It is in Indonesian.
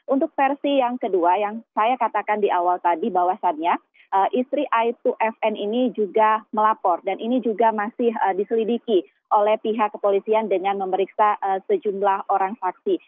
untuk versi yang kedua yang saya katakan di awal tadi bahwasannya istri aib dua fn ini juga melapor dan ini juga masih diselidiki oleh pihak kepolisian dengan memeriksa sejumlah orang saksi